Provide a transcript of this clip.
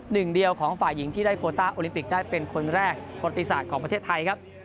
หนึ่งเดียวของฝ่ายหญิงที่ได้โคต้าโอลิมปิกได้เป็นคนแรกประติศาสตร์ของประเทศไทยครับ